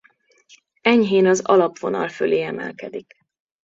Enyhén az alapvonal fölé emelkedik.